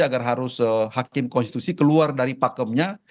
agar harus hakim konstitusi keluar dari pakemnya